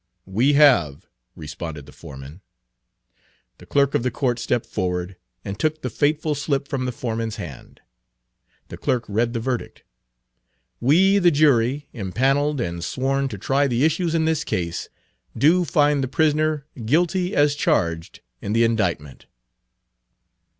"We have," responded the foreman. The Page 306 clerk of the court stepped forward and took the fateful slip from the foreman's hand. The clerk read the verdict: "We, the jury impaneled and sworn to try the issues in this cause, do find the prisoner guilty as charged in the indictment."